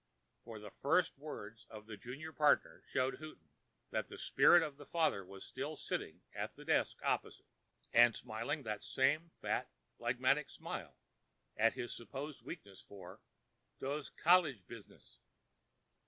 For the first words of the junior partner showed Houghton that the spirit of the father was still sitting at that desk opposite, and smiling the same fat, phlegmatic smile at his supposed weakness for "dose college bitzness."